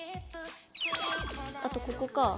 あとここか。